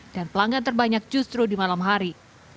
dan pelanggan terbanyak justru di malam hari